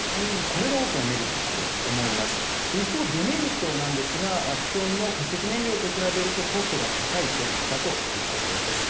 これが大きなメリットだと思います一方デメリットなんですが既存の化石燃料と比べるとコストが高い点だということです